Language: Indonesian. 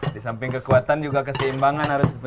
di samping kekuatan juga keseimbangan harus diperlukan